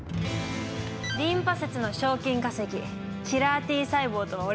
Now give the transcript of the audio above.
リンパ節の賞金稼ぎキラーＴ細胞とは俺のことよ。